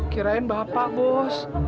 kirain bapak bos